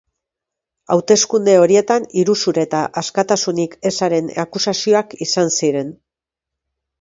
Hauteskunde horietan iruzur eta askatasunik ezaren akusazioak izan ziren.